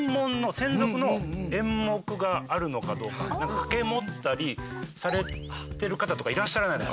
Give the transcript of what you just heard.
掛け持ったりされてる方とかいらっしゃらないのか